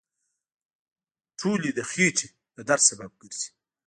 ټولې د خېټې د درد سبب ګرځي.